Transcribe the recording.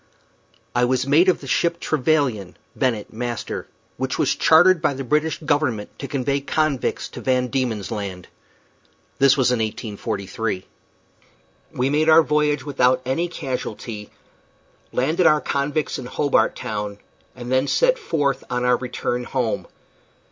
I was mate of the ship Trevelyan (Bennet, master), which was chartered by the British Government to convey convicts to Van Dieman's Land. This was in 1843. We made our voyage without any casualty, landed our convicts in Hobart Town, and then set forth on our return home.